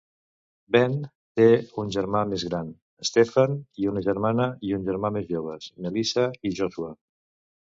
Benn té un germà més gran, Stephen, i una germana i un germà més joves, Melissa i Joshua.